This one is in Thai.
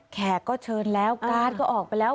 แขกก็เชิญแล้วการ์ดก็ออกไปแล้ว